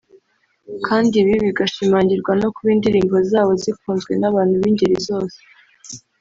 kandi ibi bigashimangirwa no kuba indirimbo zabo zikunzwe n’abantu b’ingeri zose